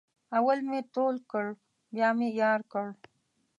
اول مې تول کړ بیا مې یار کړ.